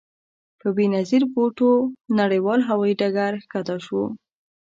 په بې نظیر بوټو نړیوال هوايي ډګر کښته شوو.